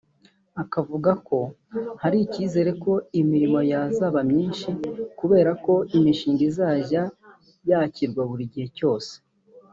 Akavuga ko hari ikizere ko imirimo yazaba myinshi kubera ko imishinga izajya yakirwa buri gihe cyose